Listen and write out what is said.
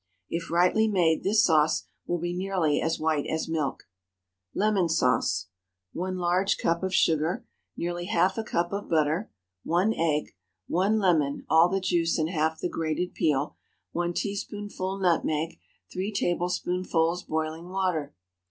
If rightly made, this sauce will be nearly as white as milk. LEMON SAUCE. ✠ 1 large cup of sugar. Nearly half a cup of butter. 1 egg. 1 lemon—all the juice and half the grated peel. 1 teaspoonful nutmeg. 3 tablespoonfuls boiling water.